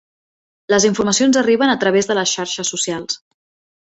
Les informacions arriben a través de les xarxes socials.